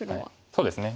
そうですね。